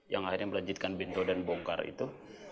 yang akhirnya melanjutkan pintu dan bongkar itu